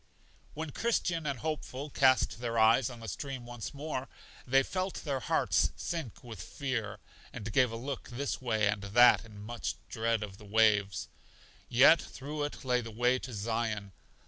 When Christian and Hopeful cast their eyes on the stream once more, they felt their hearts sink with fear, and gave a look this way and that in much dread of the waves. Yet through it lay the way to Zion.